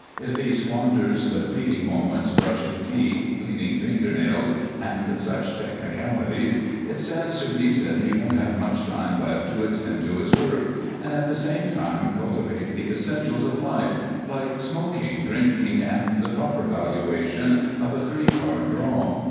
If he squanders the fleeting moments brushing teeth, cleaning fingernails, and such technicalities, it stands to reason he won't have much time left to attend to his work and at the same time cultivate the essentials of life like smoking, drinking, and the proper valuation of a three card draw.